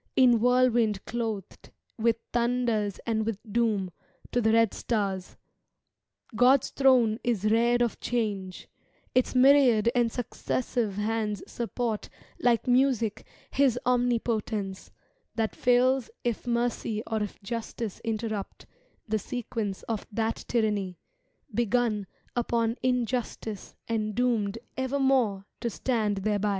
In whirlwind clothed, with thunders and with doom. To the red stars: God's throne is reared of Change; Its myriad and successive hands support like music His omnipotence, that fails If mercy or if justice interrupt The sequence of that tyranny, begun Upon injustice and doomed evermore To stand thereby.